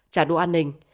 trả đũa an ninh